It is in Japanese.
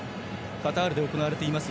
カタールで行われています